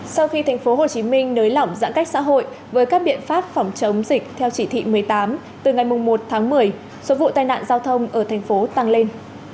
sau khi thành phố hồ chí minh nới lỏng giãn cách xã hội với các biện pháp phòng chống dịch theo chỉ thị một mươi tám từ ngày một một mươi số vụ tai nạn giao thông ở thành phố tăng lên